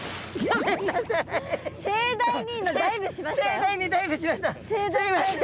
盛大にダイブしました。